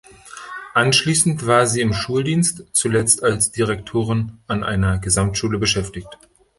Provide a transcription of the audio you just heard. Anschließend war sie im Schuldienst, zuletzt als Direktorin an einer Gesamtschule, beschäftigt.